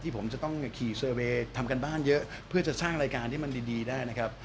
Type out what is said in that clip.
ผมจะต้องขี่เซอร์เวย์ทำการบ้านเยอะเพื่อจะสร้างรายการที่มันดีได้นะครับ